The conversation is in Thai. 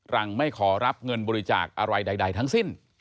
หลังไม่ขอรับเงินบริจาคอะไรใดทั้งสิ้น